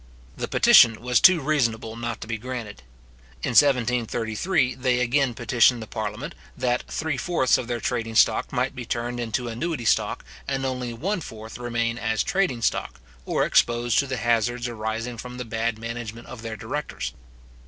The petition was too reasonable not to be granted. In 1733, they again petitioned the parliament, that three fourths of their trading stock might be turned into annuity stock, and only one fourth remain as trading stock, or exposed to the hazards arising from the bad management of their directors.